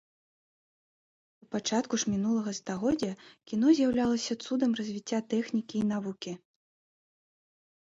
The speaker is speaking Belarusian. У пачатку ж мінулага стагоддзя кіно з'яўлялася цудам развіцця тэхнікі і навукі.